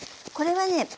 これはね